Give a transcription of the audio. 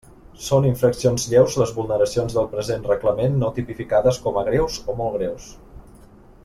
Són infraccions lleus les vulneracions del present reglament no tipificades com a greus o molt greus.